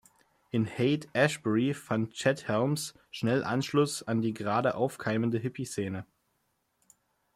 In Haight-Ashbury fand Chet Helms schnell Anschluss an die gerade aufkeimende Hippie-Szene.